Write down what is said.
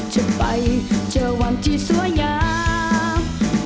จะกินอย่างสีแดง